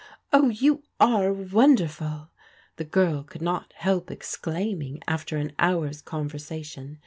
" Oh, you are wonderful !" the girl could not help ex claiming after an hour's conversation.